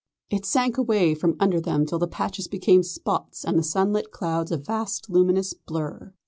It sank away from under them till the patches became spots and the sunlit clouds a vast, luminous blur.